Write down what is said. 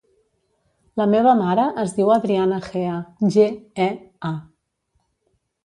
La meva mare es diu Adriana Gea: ge, e, a.